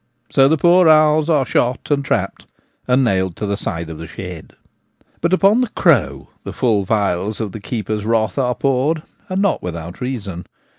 So the poor owls are shot and trapped, and nailed to the side of the shed. But upon the crow the full vials of the keeper's 128 The Gamekeeper at Home. wrath are poured, and not without reason.